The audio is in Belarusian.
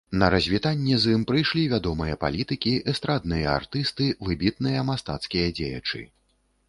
На развітанне з ім прыйшлі вядомыя палітыкі, эстрадныя артысты, выбітныя мастацкія дзеячы.